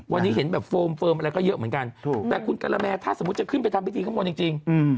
วันนี้เห็นแบบโฟมเฟิร์มอะไรก็เยอะเหมือนกันถูกแต่คุณกะละแมถ้าสมมุติจะขึ้นไปทำพิธีข้างบนจริง